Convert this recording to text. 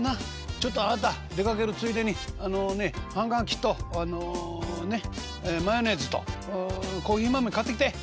「ちょっとあなた出かけるついでにあのね葉書とあのねっマヨネーズとコーヒー豆買ってきて」。